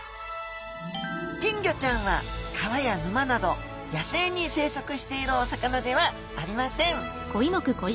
金魚ちゃんは川や沼など野生に生息しているお魚ではありません。